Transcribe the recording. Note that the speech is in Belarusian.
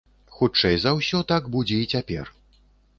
Хутчэй за ўсё, так будзе і цяпер.